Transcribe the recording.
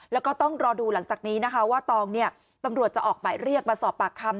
แล้วก็ต้องรอดูหลังจากนี้นะคะว่าตองเนี่ยตำรวจจะออกหมายเรียกมาสอบปากคำ